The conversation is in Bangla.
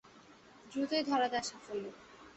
দ্রুতই ধরা দেয় সাফল্য।